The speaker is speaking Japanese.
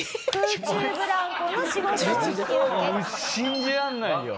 信じられないよ。